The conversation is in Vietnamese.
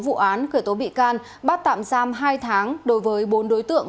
công an quận hoàng mai đã khởi tố bị can bắt tạm giam hai tháng đối với bốn đối tượng